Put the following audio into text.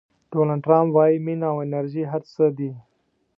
ډونالډ ټرمپ وایي مینه او انرژي هر څه دي.